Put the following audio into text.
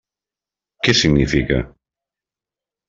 Què significa?